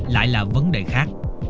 lại là vấn đề khác